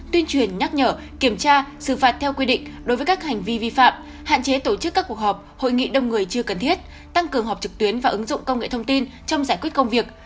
tuyên truyền nhắc nhở kiểm tra xử phạt theo quy định đối với các hành vi vi phạm hạn chế tổ chức các cuộc họp hội nghị đông người chưa cần thiết tăng cường họp trực tuyến và ứng dụng công nghệ thông tin trong giải quyết công việc